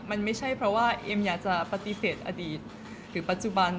มันไม่ใช่เพราะว่าเอ็มอยากจะปฏิเสธอดีตหรือปัจจุบัน